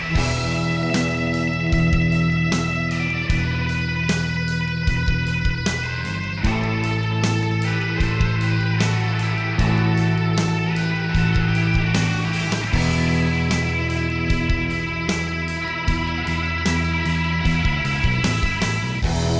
kamu harusnya ke depan